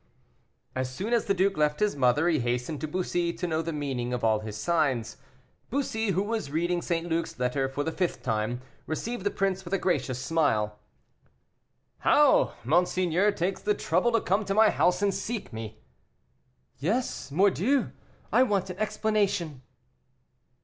As soon as the duke left his mother, he hastened to Bussy to know the meaning of all his signs. Bussy, who was reading St. Luc's letter for the fifth time, received the prince with a gracious smile. "How! monseigneur takes the trouble to come to my house to seek me." "Yes mordieu, I want an explanation."